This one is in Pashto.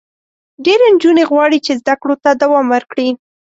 ډېری نجونې غواړي چې زده کړو ته دوام ورکړي.